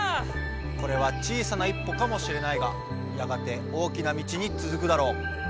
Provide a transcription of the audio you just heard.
これは小さな一歩かもしれないがやがて大きな道につづくだろう！